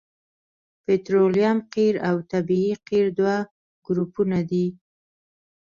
پطرولیم قیر او طبیعي قیر دوه ګروپونه دي